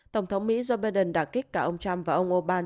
tổng thống mỹ joe biden đã kích cả ông trump và ông orbán